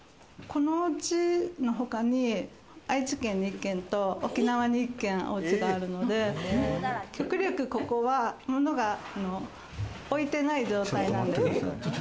このお家の他に、愛知県に１軒と沖縄に１軒、おうちがあるので、極力ここは物が置いてない状態なんです。